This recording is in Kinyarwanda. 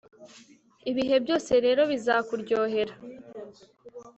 ibihe byose rero bizakuryohera